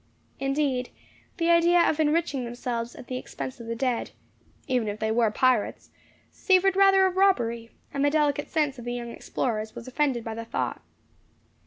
Indeed, the idea of enriching themselves at the expense of the dead, even if they were pirates, savoured rather of robbery, and the delicate sense of the young explorers was offended by the thought.